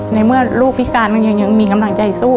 ในเมื่อลูกพิการมันยังมีกำลังใจสู้